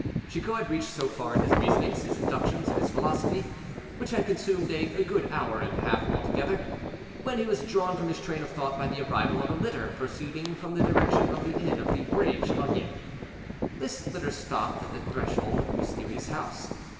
Chicot had reached so far in his reasonings, his inductions, and his philosophy, which had consumed a good hour and a half altogether, when he was drawn from his train of thought by the arrival of a litter proceeding from the direction of the inn of the "Brave Chevalier." This litter stopped at the threshold of the mysterious house.